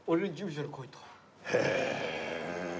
へえ。